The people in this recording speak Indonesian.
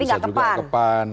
bisa juga ke pan